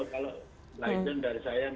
kalau lighten dari saya